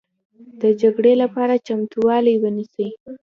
د جګړې لپاره چمتوالی ونیسئ